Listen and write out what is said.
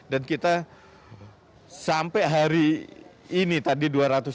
dan kita sampai hari ini tadi dua ratus tujuh puluh delapan